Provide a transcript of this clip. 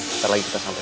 sampai lagi kita sampai